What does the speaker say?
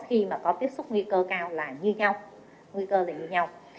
khi mà có tiếp xúc nguy cơ cao là như nhau